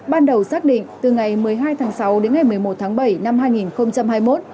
ban đầu xác định từ ngày một mươi hai tháng sáu đến ngày một mươi một tháng bảy năm hai nghìn hai mươi một